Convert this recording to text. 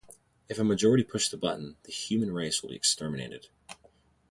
If a majority push the button, the human race will be exterminated.